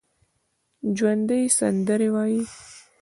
ژوندي سندرې وايي